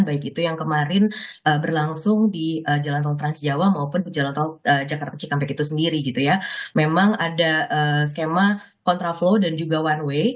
baik itu yang kemarin berlangsung di jalan tontrans jawa